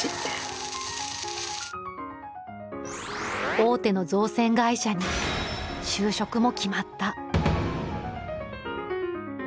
大手の造船会社に就職も決まった。